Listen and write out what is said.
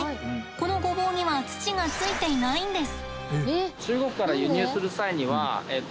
このごぼうには土がついていないんです。